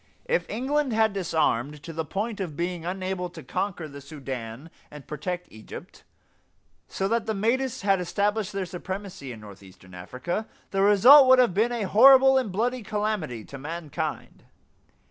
If England had disarmed to the point of being unable to conquer the Sudan and protect Egypt, so that the Mahdists had established their supremacy in northeastern Africa, the result would have been a horrible and bloody calamity to mankind.